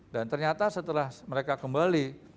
dan ternyata setelah mereka kembali